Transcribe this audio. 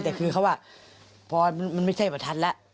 แต่คือเขาว่าพอมันไม่ใช่ประทัดแล้ว